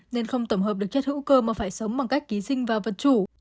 nên không tổng hợp được chất hữu cơ mà phải sống bằng cách ký sinh và vật chủ